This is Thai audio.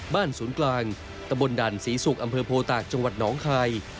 ศูนย์กลางตะบนด่านศรีศุกร์อำเภอโพตากจังหวัดหนองคาย